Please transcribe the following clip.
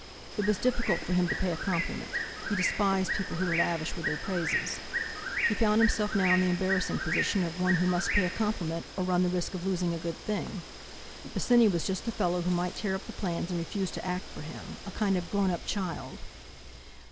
It was difficult for him to pay a compliment. He despised people who were lavish with their praises. He found himself now in the embarrassing position of one who must pay a compliment or run the risk of losing a good thing. Bosinney was just the fellow who might tear up the plans and refuse to act for him; a kind of grown up child!